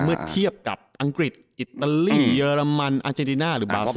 เมื่อเทียบกับอังกฤษอิตาลีเยอรมันอาเจดิน่าหรือบาซิ